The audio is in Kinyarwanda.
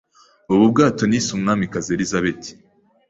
Ubu bwato nise Umwamikazi Elizabeti.